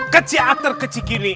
kecil atar kecil gini